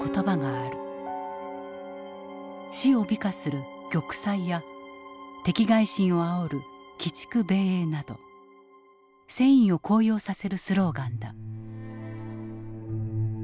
死を美化する「玉砕」や敵愾心をあおる「鬼畜米英」など戦意を高揚させるスローガンだ。